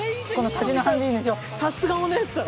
さすがお姉さん。